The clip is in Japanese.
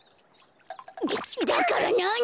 だだからなに！？